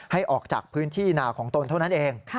ให้ออกจากพื้นที่นาของตนเท่านั้นเอง